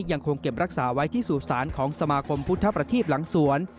ยังคงเก็บรักษาไว้ที่สู่สารของสมาคมพุทธประทีพหลังสวน